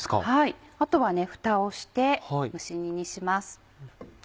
あとはフタをして蒸し煮にします。